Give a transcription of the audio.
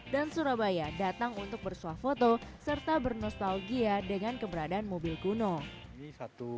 dan surabaya datang untuk bersuah foto serta bernostalgia dengan keberadaan mobil kuno satu